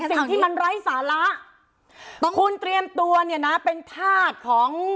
สิ่งที่มันไร้สาระคุณเตรียมตัวเนี่ยนะเป็นธาตุของ